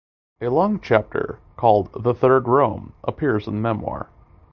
A long chapter called "The Third Rome" appears in the memoir.